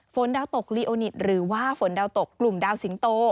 ฝนดาวตกลีโอนิตหรือว่าฝนดาวตกกลุ่มดาวสิงโต